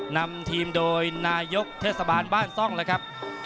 นำทีมโดยนายกเทศบาลบ้านซ่องแล้วครับ